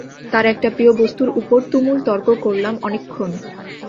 তার একটা প্রিয় বস্তুর ওপর তুমুল তর্ক করলাম অনেকক্ষণ।